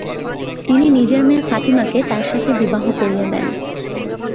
তিনি নিজের মেয়ে ফাতিমাকে তার সাথে বিবাহ করিয়ে দেন।